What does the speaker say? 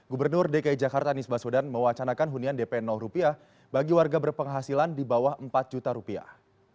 gubernur dki jakarta anies baswedan mewacanakan hunian dp rupiah bagi warga berpenghasilan di bawah empat juta rupiah